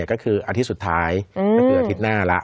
ก็คืออาทิตย์สุดท้ายก็คืออาทิตย์หน้าแล้ว